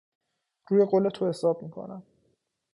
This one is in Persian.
روی قول تو حساب میکنم.